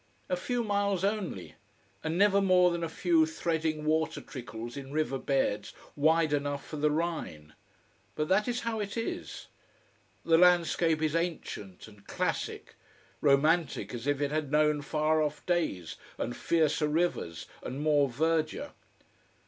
A few miles only: and never more than a few threading water trickles in river beds wide enough for the Rhine. But that is how it is. The landscape is ancient, and classic romantic, as if it had known far off days and fiercer rivers and more verdure.